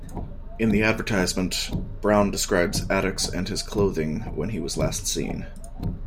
In the advertisement, Brown describes Attucks and his clothing when he was last seen.